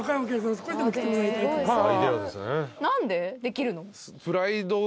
少しでも来てもらいたいから。